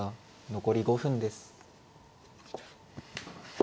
残り５分です。